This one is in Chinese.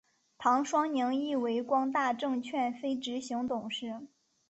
唐双宁亦为光大证券非执行董事。